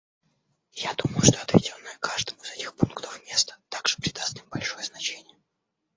Я думаю, что отведенное каждому из этих пунктов место также придаст им большое значение.